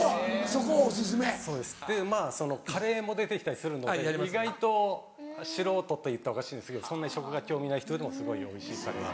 そうですカレーも出て来たりするので意外と素人といったらおかしいんですけどそんなに食が興味ない人でもすごいおいしいカレー。